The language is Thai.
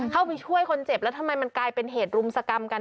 เข้าไปช่วยคนเจ็บแล้วทำไมมันกลายเป็นเหตุรุมสกรรมกัน